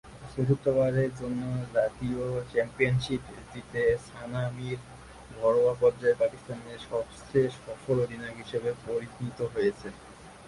চতুর্থবারের জন্য জাতীয় চ্যাম্পিয়নশিপ জিতে সানা মীর ঘরোয়া পর্যায়ে পাকিস্তানের সবচেয়ে সফল অধিনায়ক হিসেবে পরিণত হয়েছেন।